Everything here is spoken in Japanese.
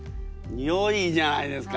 よいじゃないですか。